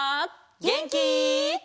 げんき？